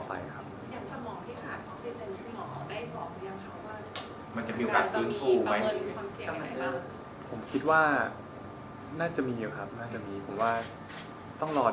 ใครอยากบอกอะไรกับคุณพ่อบ้าง